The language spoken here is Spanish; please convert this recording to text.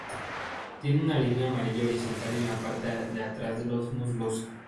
Tiene una línea amarilla horizontal en la parte de atrás de los muslos.